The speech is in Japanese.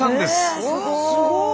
えすごい。